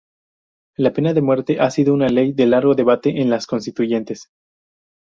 La pena de muerte ha sido una ley de largo debate en las constituyentes.